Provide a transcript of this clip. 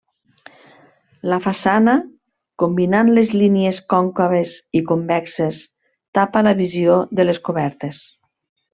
La façana, combinant les línies còncaves i convexes tapa la visió de les cobertes.